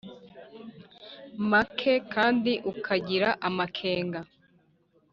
Make kandi ukagira amakenga